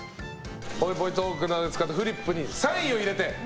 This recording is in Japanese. ぽいぽいトークなどで使ったフリップにサインを入れて。